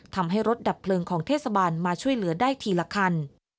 ทำให้รถดับเพลิงของเทศบาลมาช่วยเหลือได้ทีละคัน